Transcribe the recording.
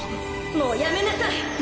もうやめなさい！